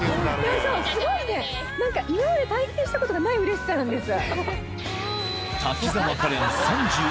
すごい今まで体験したことがないうれしさなんです。